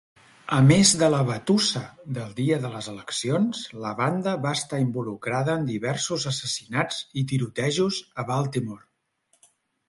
A més de la batussa del dia de les eleccions, la banda va estar involucrada en diversos assassinats i tirotejos a Baltimore.